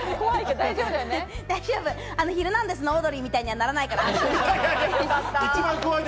大丈夫、『ヒルナンデス！』のオードリーみたいにならないから安心して。